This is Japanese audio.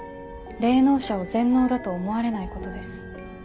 霊能者を全能だと思われないことです。